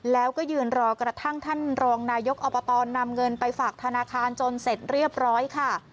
แล้วก็ยืนรอกระทั่งท่านรองนายกอบตนำเงินไปฝากธนาคารจนเสร็จเรียบร้อยค่ะ